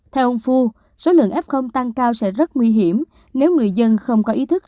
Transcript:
theo ông phu số lượng f tăng cao sẽ rất nguy hiểm nếu người dân không có ý thức